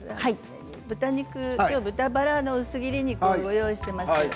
豚バラの薄切り肉を用意しています。